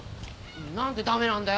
何でダメなんだよ？